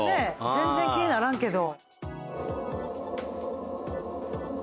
全然気にならんけど。